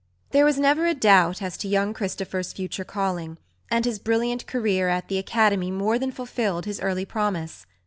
There was never a doubt as to young Christopher's future calling; and his brilliant career at the Academy more than fulfilled his early promise.